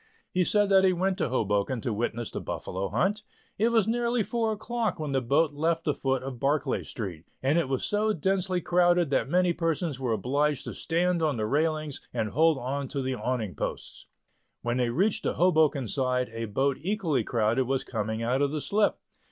He said that he went to Hoboken to witness the Buffalo Hunt. It was nearly four o'clock when the boat left the foot of Barclay Street, and it was so densely crowded that many persons were obliged to stand on the railings and hold on to the awning posts. When they reached the Hoboken side a boat equally crowded was coming out of the slip.